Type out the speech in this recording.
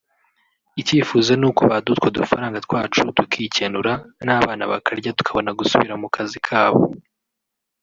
Icyifuzo ni uko baduha utwo dufaranga twacu tukikenura n’abana bakarya tukabona gusubira mu kazi kabo”